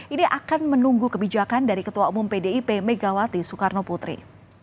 ini akan menunggu kebijakan dari ketua umum pdip megawati soekarno putri